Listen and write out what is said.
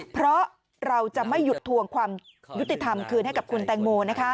เพราะเราจะไม่หยุดทวงความยุติธรรมคืนให้กับคุณแตงโม